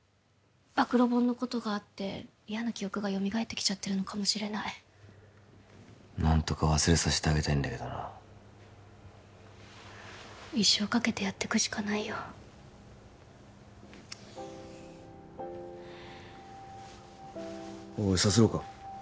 暴露本のことがあって嫌な記憶がよみがえってきちゃってるのかもしれない何とか忘れさせてあげたいんだけどな一生かけてやってくしかないよおいさすろうか？